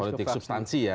politik substansi ya